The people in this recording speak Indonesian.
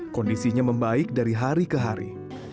kondisinya membaik dari hari ke hari